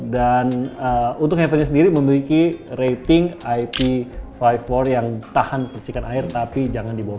dan untuk handphone nya sendiri memiliki rating ip lima puluh empat yang tahan percikan air tapi jangan dibawa